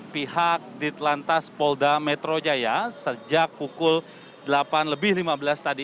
pihak ditlantas polda metro jaya sejak pukul delapan lebih lima belas tadi